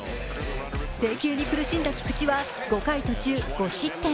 制球に苦しんだ菊池は５回途中５失点。